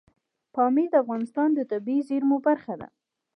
پامیر د افغانستان د طبیعي زیرمو برخه ده.